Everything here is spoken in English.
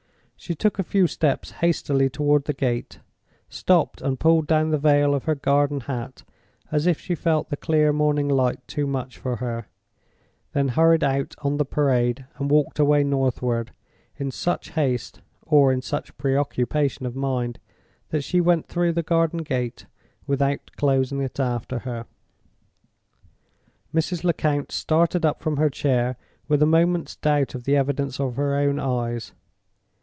She took a few steps hastily toward the gate, stopped and pulled down the veil of her garden hat as if she felt the clear morning light too much for her, then hurried out on the Parade and walked away northward, in such haste, or in such pre occupation of mind, that she went through the garden gate without closing it after her. Mrs. Lecount started up from her chair with a moment's doubt of the evidence of her own eyes.